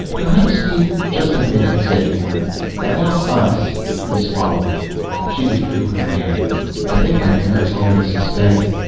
"Perhaps we'd " "Just a minute," said Orne. "About us " He swallowed. She withdrew her hand. "I think my parents already suspect.